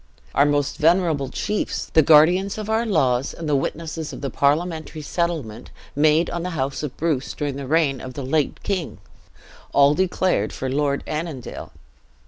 Our most venerable chiefs, the guardians of our laws, and the witnesses of the parliamentary settlement made on the house of Bruce during the reign of the late king, all declared for Lord Annandale.